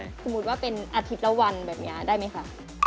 สมมุติว่าเป็นอาทิตย์ละวันแบบนี้ได้ไหมคะ